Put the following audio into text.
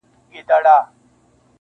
يو بل نظر وړلاندي کيږي تل,